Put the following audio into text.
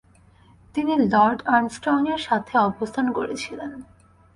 তিনি লর্ড আর্মস্ট্রংয়ের সাথে অবস্থান করেছিলেন।